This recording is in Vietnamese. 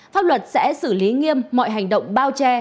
pháp luật sẽ xử lý nghiêm mọi hành động bao che